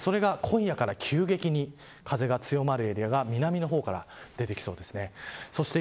それが今夜から急激に風が強まるエリアが南の方から出てきそうです。